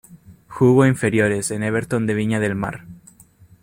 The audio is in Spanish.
Jugo inferiores en Everton de Viña del Mar.